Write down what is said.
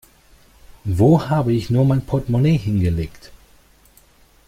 Wo habe ich nur mein Portemonnaie hingelegt?